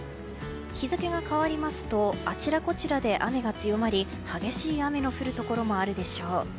日付が変わりますとあちらこちらで雨が強まり激しい雨の降るところもあるでしょう。